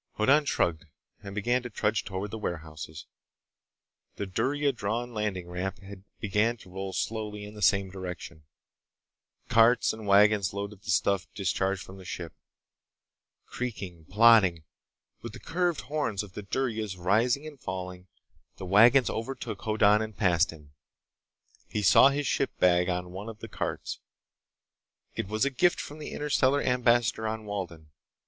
Hoddan shrugged and began to trudge toward the warehouses. The durya drawn landing ramp began to roll slowly in the same direction. Carts and wagons loaded the stuff discharged from the ship. Creaking, plodding, with the curved horns of the duryas rising and falling, the wagons overtook Hoddan and passed him. He saw his ship bag on one of the carts. It was a gift from the Interstellar Ambassador on Walden.